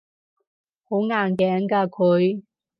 好硬頸㗎佢